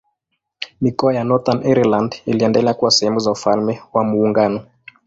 Mikoa ya Northern Ireland iliendelea kuwa sehemu za Ufalme wa Muungano.